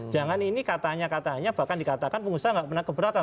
jangan ini katanya katanya bahkan dikatakan pengusaha nggak pernah keberatan